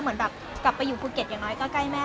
บังคับมาหลายปี